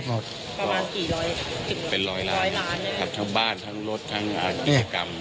ประมาณกี่ร้อยเป็นร้อยล้านทั้งบ้านทั้งรถทั้งอารกิจกรรม